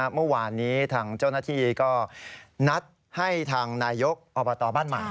เมื่อวานนี้ทางเจ้าหน้าที่ก็นัดให้ทางนายกอบตบ้านใหม่